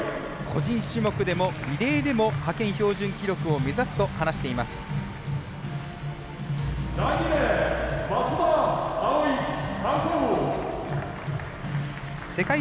個人種目でもリレーでも派遣標準記録を目指すと話しています、今井。